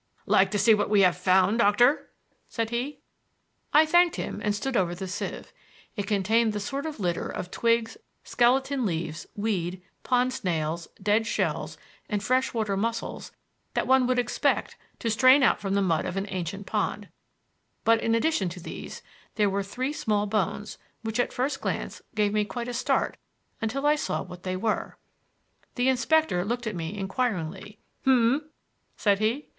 "Like to see what we have found, doctor?" said he. I thanked him and stood over the sieve. It contained the sort of litter of twigs, skeleton leaves, weed, pond snails, dead shells, and fresh water mussels that one would expect to strain out from the mud of an ancient pond; but in addition to these there were three small bones which at first glance gave me quite a start until I saw what they were. The inspector looked at me inquiringly. "H'm?" said he.